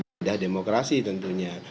dan tidak demokrasi tentunya